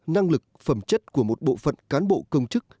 năng lực phẩm chất của một bộ phận cán bộ công chức